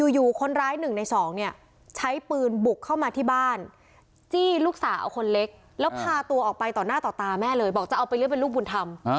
อยู่คนร้าย๑ใน๒เนี่ยใช้ปืนบุกเข้ามาที่บ้านจี้ลูกสาวคนเล็กแล้วพาตัวออกไปต่อหน้าต่อตาแม่เลยบอกจะเอาไปเลือกเป็นลูกบุญธรรม